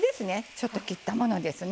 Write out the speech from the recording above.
ちょっと切ったものですね。